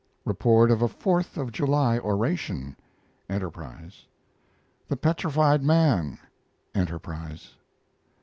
REPORT OF A FOURTH OF JULY ORATION Enterprise. THE PETRIFIED MAN Enterprise.